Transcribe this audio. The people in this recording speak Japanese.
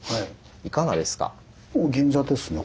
いかがですか？